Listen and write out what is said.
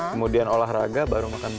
kemudian olahraga baru makan bareng